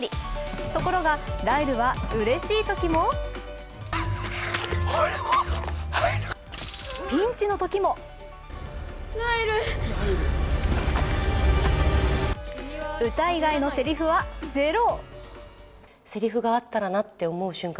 ところがライルはうれしいときもピンチのときも歌以外のせりふはゼロ。